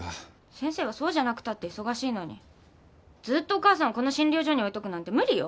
・先生はそうじゃなくたって忙しいのにずっとお母さんをこの診療所に置いとくなんて無理よ。